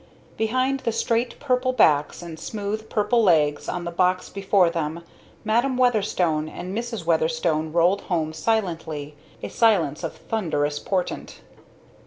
Behind the straight purple backs and smooth purple legs on the box before them, Madam Weatherstone and Mrs. Weatherstone rolled home silently, a silence of thunderous portent.